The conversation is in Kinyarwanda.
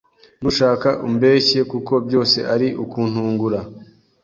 nushaka umbeshye kuko byose ari ukuntungura”